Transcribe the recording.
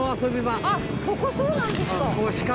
あっここそうなんですか。